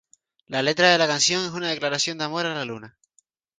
La letra de la canción es una declaración de amor a la luna.